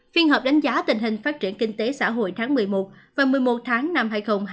phiên họp đánh giá tình hình phát triển kinh tế xã hội tháng một mươi một và một mươi một tháng năm hai nghìn hai mươi